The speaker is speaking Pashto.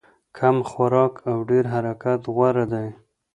کم خوراک او ډېر حرکت غوره دی.